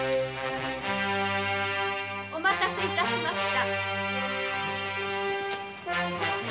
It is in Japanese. ・お待たせ致しました。